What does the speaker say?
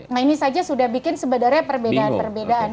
nah ini saja sudah bikin sebenarnya perbedaan perbedaan